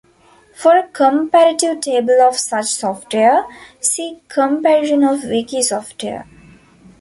For a comparative table of such software, see Comparison of wiki software.